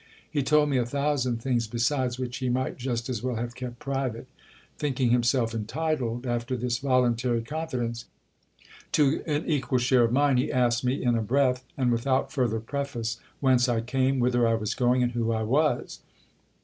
He told me a thousand things besides which he might just as well have kept private. Thinking himself entitled, after this voluntary con fidence, to an equal share of mine, he asked me in a breath, and without further preface, whence I came, whither I was going, and who I was.